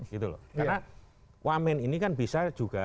karena wamen ini kan bisa juga